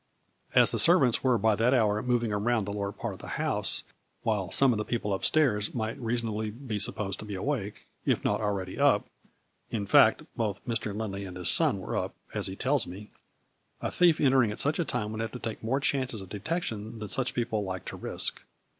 As the servants were by that hour moving around the lower part of the house, while some of the people up stairs might reasonably be supposed to be awake, if not already up, (in fact both Mr. Lindley and his son were up, as. he tells me) a thief entering at such time would have to take more chances of detection than such people like to risk.